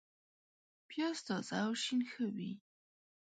پیاز تازه او شین ښه وي